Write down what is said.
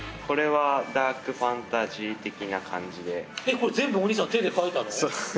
これ全部お兄さん手で描いたの？